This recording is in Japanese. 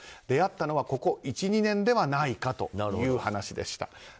出会ったのはここ１２年ではないかということでした。